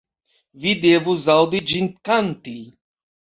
Vi devus aŭdi ĝin kanti.